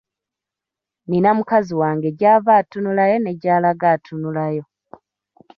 Nnina mukazi wange gy'ava atunulayo ne gy'alaga atunulayo.